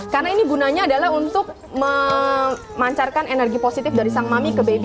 karena ini gunanya adalah untuk memancarkan energi positif dari sang mami ke baby